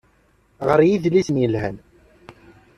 Ɣer idlisen yelhan.